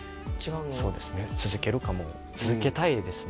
そうですね続けるかも続けたいですね